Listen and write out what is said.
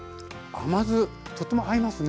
甘酢とっても合いますね。